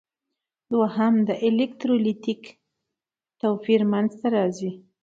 دوهم د الکترولیتیک توپیر منځ ته راځي.